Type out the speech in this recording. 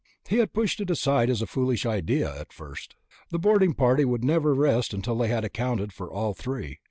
He had pushed it aside as a foolish idea, at first. The boarding party would never rest until they had accounted for all three.